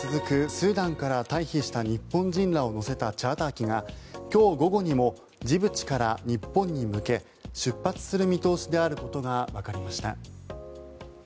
スーダンから退避した日本人を乗せたチャーター機が今日午後にもジブチから日本に向け出発する見通しであることがわかりました。